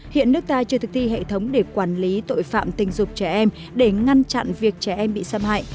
hiện nước ta chưa thực thi hệ thống để quản lý tội phạm tình dục trẻ em để ngăn chặn việc trẻ em bị xâm hại